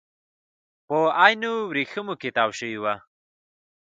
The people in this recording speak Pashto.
په عین ورېښمو کې تاو شوي وو.